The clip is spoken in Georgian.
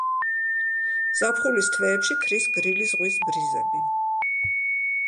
ზაფხულის თვეებში ქრის გრილი ზღვის ბრიზები.